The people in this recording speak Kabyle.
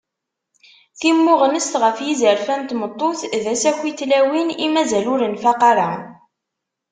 Timmuɣnest ɣef yizerfan n tmeṭṭut d asaki n tlawin i mazal ur nfaq ara.